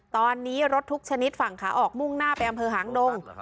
ตอนนี้รถทุกชนิดฝั่งขาออกมุ่งหน้าไปอำเภอหางดง